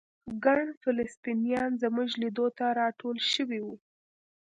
ګڼ فلسطینیان زموږ لیدو ته راټول شوي وو.